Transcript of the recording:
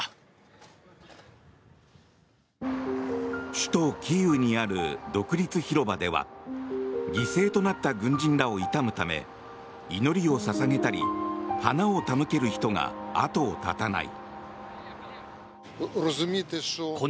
首都キーウにある独立広場では犠牲となった軍人らを悼むため祈りを捧げたり花を手向ける人が後を絶たない。